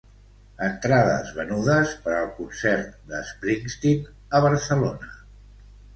Entrades venudes per al concert de Springsteen a Barcelona.